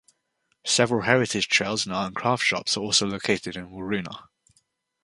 Several heritage trails and art and craft shops are also located in Waroona.